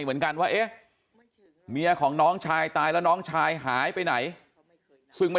เหมือนกันว่าเอ๊ะเมียของน้องชายตายแล้วน้องชายหายไปไหนซึ่งไม่